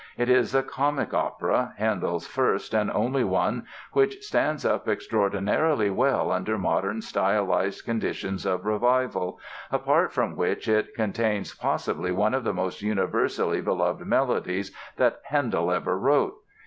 It is a comic opera, Handel's first and only one, which stands up extraordinarily well under modern stylized conditions of revival, apart from which it contains possibly one of the most universally beloved melodies that Handel ever wrote.